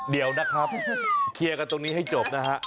เดี๋ยวนะครับเคลียร์กันตรงนี้ให้จบนะฮะ